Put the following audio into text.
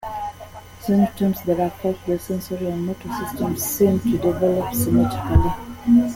Symptoms that affect the sensory and motor systems seem to develop symmetrically.